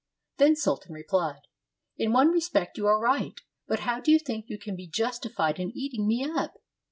" Then Sultan replied, "In one respect you are right, but how do you think you can be justified in eating me up?"